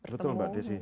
betul mbak desi